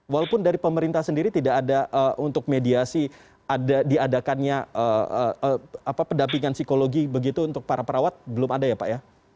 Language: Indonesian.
walaupun dari pemerintah sendiri tidak ada untuk mediasi diadakannya pendampingan psikologi begitu untuk para perawat belum ada ya pak ya